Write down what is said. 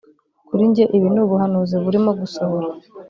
Kuri njye ibi ni ubuhanuzi burimo gusohora